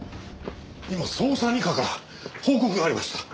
今捜査二課から報告がありました。